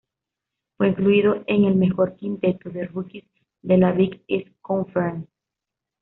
Fue incluido en el mejor quinteto de rookies de la Big East Conference.